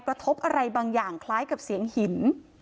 กระทบอะไรบางอย่างคล้ายกับเสียงหิน